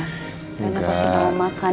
karena aku masih mau makan